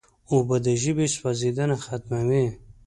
اوبه د ژبې سوځیدنه ختموي.